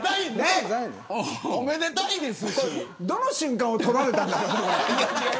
どの瞬間を撮られたんだろう。